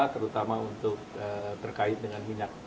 terutama untuk terkait dengan minyak